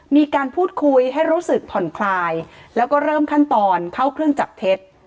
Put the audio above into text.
มีการพูดคุยให้รู้สึกผ่อนคลายแล้วก็เริ่มขั้นตอนเข้าเครื่องจับเท็จ